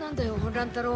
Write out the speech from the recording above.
乱太郎。